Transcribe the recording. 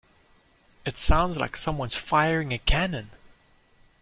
It sounds like someone's firing a cannon.